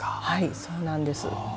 はいそうなんです。